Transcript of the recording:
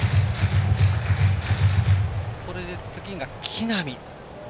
これで次が木浪。